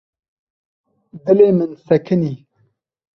Dilê min sekinî.